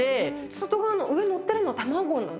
外側の上のってるの卵なの？